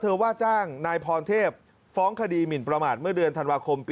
ว่าจ้างนายพรเทพฟ้องคดีหมินประมาทเมื่อเดือนธันวาคม